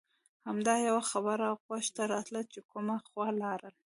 همدا یوه خبره غوږ ته راتله چې کومه خوا لاړل.